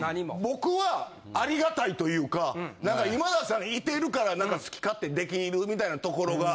僕はありがたいというかなんか今田さんがいてるから好き勝手にできるみたいなところが。